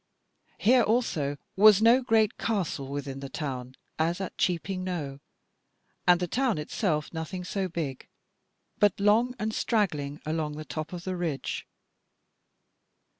Here also was no great castle within the town as at Cheaping Knowe, and the town itself nothing so big, but long and straggling along the top of the ridge.